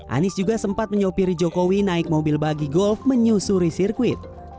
anies juga sempat menyopiri jokowi naik mobil bagi golf menyusuri sirkuit